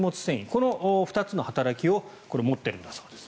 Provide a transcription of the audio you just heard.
この２つの働きを持っているんだそうです。